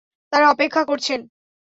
তারা অপেক্ষা করছেন।